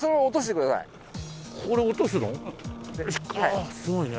ああすごいね。